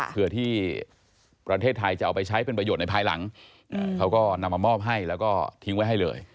เพื่อที่ประเทศไทยจะเอาไปใช้เป็นประโยชน์ในภายหลังเขาก็นำมามอบให้แล้วก็ทิ้งไว้ให้เลย